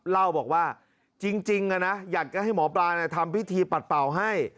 เล่าบอกว่าจริงนะอยากจะให้หมอปลาทำพิธีปัดเป่าให้